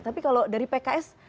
tapi kalau dari pks